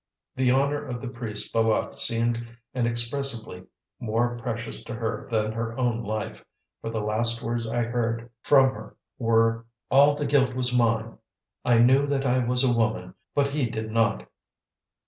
The honor of the priest Bâlât seemed inexpressibly more precious to her than her own life, for the last words I heard from her were: "All the guilt was mine. I knew that I was a woman, but he did not."